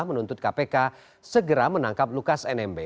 menuntut kpk segera menangkap lukas nmb